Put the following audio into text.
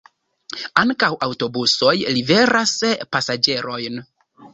Ankaŭ aŭtobusoj liveras pasaĝerojn.